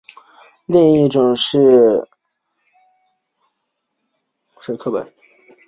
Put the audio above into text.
另一种是沈刻本。